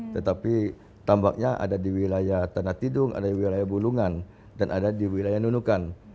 tetapi tambaknya ada di wilayah tanah tidung ada di wilayah bulungan dan ada di wilayah nunukan